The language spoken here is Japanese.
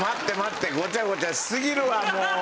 ごちゃごちゃしすぎるわもう。